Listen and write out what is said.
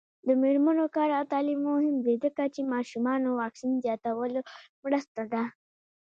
د میرمنو کار او تعلیم مهم دی ځکه چې ماشومانو واکسین زیاتولو مرسته ده.